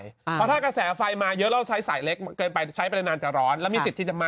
เพราะถ้ากระแสไฟมาเยอะแล้วใช้สายเล็กเกินไปใช้ไปนานจะร้อนแล้วมีสิทธิ์ที่จะมา